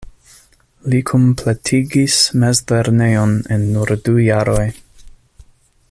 Li kompletigis mezlernejon en nur du jaroj.